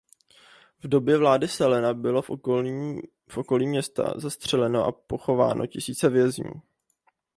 V době vlády Stalina bylo v okolí města zastřeleno a pochováno tisíce vězňů.